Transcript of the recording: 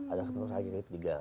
ada kaki kedua